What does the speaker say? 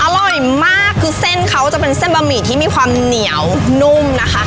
อร่อยมากคือเส้นเขาจะเป็นเส้นบะหมี่ที่มีความเหนียวนุ่มนะคะ